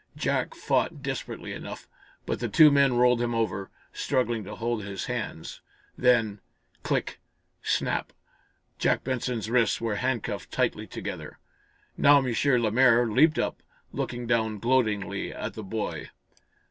Jack fought desperately enough, but the two men rolled him over, struggling to hold his hands. Then Click! Snap! Jack Benson's wrists were handcuffed tightly together. Now M. Lemaire leaped up, looking down gloatingly at the boy.